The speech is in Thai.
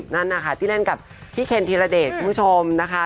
นั่นนะคะที่เล่นกับพี่เคนธีรเดชคุณผู้ชมนะคะ